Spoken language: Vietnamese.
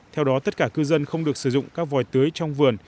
theo đó tất cả cư dân không được sử dụng các vòi tưới trong vườn